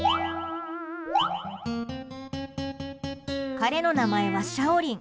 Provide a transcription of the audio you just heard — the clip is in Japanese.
彼の名前は、シャオリン。